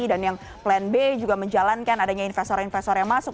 dan yang plan b juga menjalankan adanya investor investor yang masuk